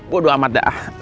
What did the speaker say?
bodoh amat dah